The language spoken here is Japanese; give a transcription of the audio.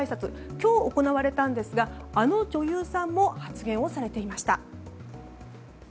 今日、行われたんですがあの女優さんも発言されました。